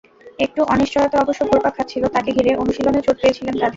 একটু অনিশ্চয়তা অবশ্য ঘুরপাক খাচ্ছিল তাঁকে ঘিরে, অনুশীলনে চোট পেয়েছিলেন কাঁধে।